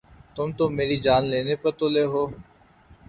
تم تو میری جان لینے پر تُلے ہو